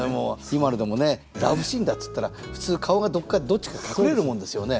今のでもねラブシーンだっつったら普通顔がどっちか隠れるもんですよね。